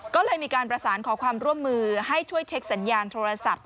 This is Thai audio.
ก็เลยมีการประสานขอความร่วมมือให้ช่วยเช็คสัญญาณโทรศัพท์